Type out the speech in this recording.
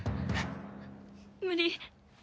無理。